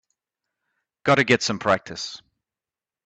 Got to get some practice.